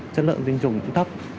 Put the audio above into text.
chất lượng sinh trùng cũng thấp